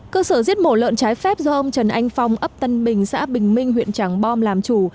cơ sở giết mổ lợn trái phép do ông trần anh phong ấp tân bình xã bình minh huyện tràng bom làm chủ